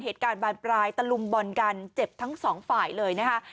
เหตุการณ์บานปลายตะลุมบอลกันเจ็บทั้งสองฝ่ายเลยนะคะ